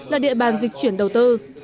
là địa bàn dịch chuyển đầu tư